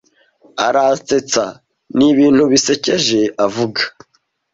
Aransetsa nibintu bisekeje avuga.